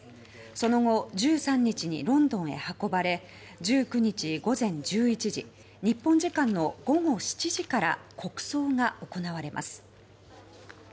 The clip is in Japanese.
その後１３日にロンドンへ運ばれ１９日午前１１時日本時間の午後７時から国葬が行われます。